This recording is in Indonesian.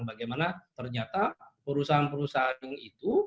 bagaimana ternyata perusahaan perusahaan itu